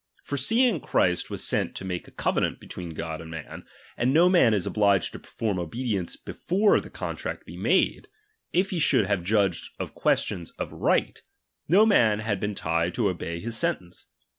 For seeing Christ was sent to make a , ■covenant between God and men ; and no man is > obliged to perform obedience before the contract \ "be made ; if he should have judged of questions of right, no man had been tied to obey his sentence.